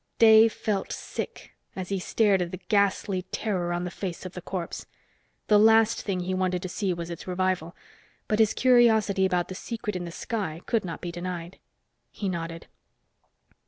Dave felt sick as he stared at the ghastly terror on the face of the corpse. The last thing he wanted to see was its revival, but his curiosity about the secret in the sky could not be denied. He nodded.